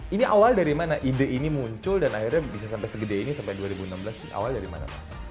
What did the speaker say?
ini awal dari mana ide ini muncul dan akhirnya bisa sampai segede ini sampai dua ribu enam belas awal dari mana